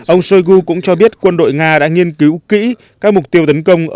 ông shoigu cũng cho biết quân đội nga đã nghiên cứu kỹ các mục tiêu tấn công